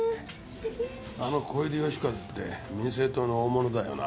あの小出義和って民政党の大物だよな？